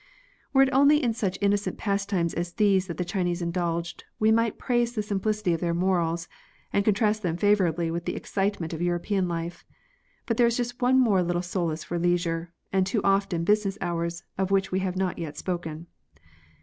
"Were it only in such innocent pastimes as these that the Chinese indulged, we might praise the sim plicity of their morals, and contrast them favourably with the excitement of European life. But there is just one more little solace for leisure, and too often business hours, of which we have not yet spoken.